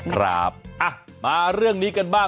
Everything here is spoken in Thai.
ครับมาเรื่องนี้กันบ้าง